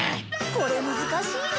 これ難しいね。